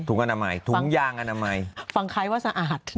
อนามัยถุงยางอนามัยฟังคล้ายว่าสะอาด